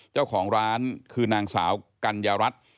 เจ้าของร้านคือนางสาวกัญญารัฐ